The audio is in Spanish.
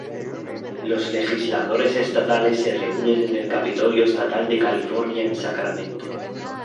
Los legisladores estatales se reúnen en el Capitolio Estatal de California en Sacramento.